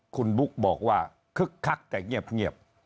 คุณบุ๊กบอกว่าคึกคักแต่เงียบ